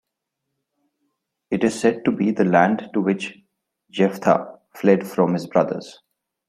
It is said to be the land to which Jephtha fled from his brothers.